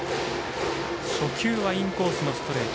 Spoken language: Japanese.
初球はインコースのストレート。